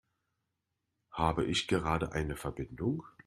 Habe ich gerade eine Verbindung?